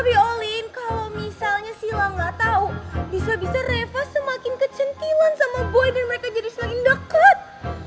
tapi tapi olin kalo misalnya sila gak tau bisa bisa reva semakin kecantilan sama boyz dan mereka jadi semakin deket